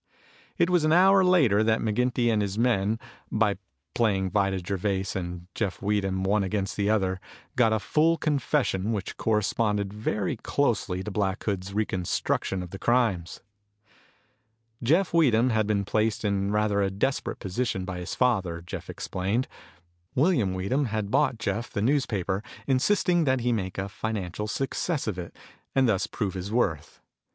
It was an hour later that McGinty and his men, by playing Vida Gervais and Jeff Weedham, one against the other, got a full confession which corresponded very closely to Black Hood's reconstruction of the crimes. Jeff Weedham had been placed in rather a desperate position by his father, Jeff explained. William Weedham had bought Jeff the newspaper, insisting that he make a financial success of it and thus prove his worth.